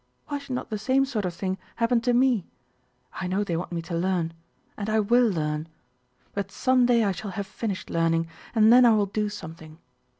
Why should not the same sort of thing happen to me? I know they want me to learn. And I will learn. But someday I shall have finished learning, and then I will do something.